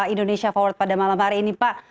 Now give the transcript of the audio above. indonesia forward pada malam hari ini pak